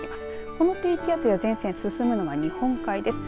この低気圧や前線進むのは日本海側です。